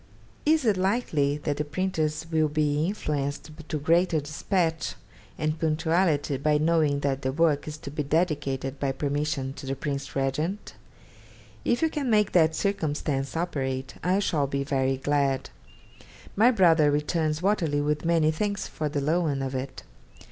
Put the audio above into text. Is it likely that the printers will be influenced to greater dispatch and punctuality by knowing that the work is to be dedicated, by permission, to the Prince Regent? If you can make that circumstance operate, I shall be very glad. My brother returns "Waterloo" with many thanks for the loan of it.